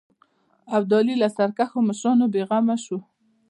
ابدالي له سرکښو مشرانو بېغمه شو.